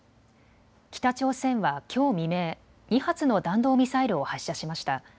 北朝鮮はきょう未明、２発の弾道ミサイルを発射しました。